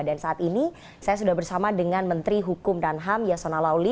dan saat ini saya sudah bersama dengan menteri hukum dan ham yasona lauli